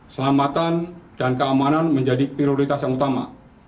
selamatan dan keamanan menjadi prioritas yang utama